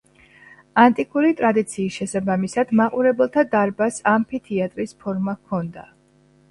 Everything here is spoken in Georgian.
ანტიკური ტრადიციის შესაბამისად მაყურებელთა დარბაზს ამფითეატრის ფორმა ჰქონდა.